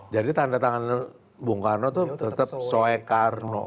jadi tanda tangan bung karno itu tetap soekarno